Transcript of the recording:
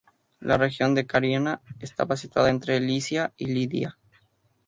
La región de Caria estaba situada entre Licia y Lidia.